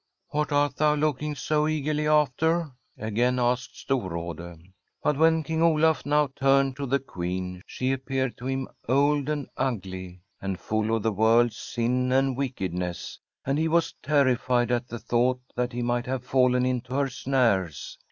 ' What art thou looking so eagerly after ?' again asked Storrade. But when King Olaf now turned to the Queen she appeared to him old and ugly, and full of the world's sin and wickedness, and he was ter rified at the thought that he might have fallen into her snares.